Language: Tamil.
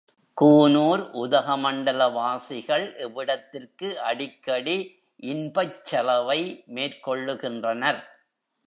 கூனூர், உதகமண்டல வாசிகள் இவ்விடத்திற்கு அடிக்கடி இன்பச் செலவை மேற்கொள்ளுகின்றனர்.